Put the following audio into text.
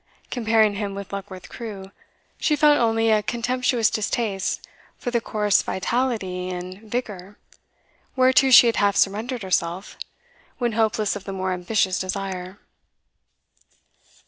Comparing him with Luckworth Crewe, she felt only a contemptuous distaste for the coarse vitality and vigour, whereto she had half surrendered herself, when hopeless of the more ambitious desire.